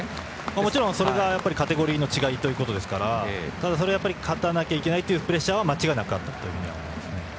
もちろんそれがカテゴリーの違いということですから勝たなければいけないというプレッシャーは間違いなくあったと思います。